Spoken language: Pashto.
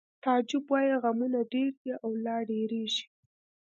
تعجب وایی غمونه ډېر دي او لا ډېرېږي